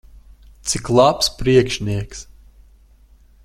Cik labs priekšnieks!